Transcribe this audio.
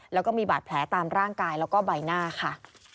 แล้วก็มีบาดแผลตามร่างกายแล้วก็ใบหน้าค่ะ